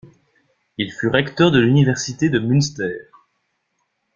Il fut recteur de l'université de Münster.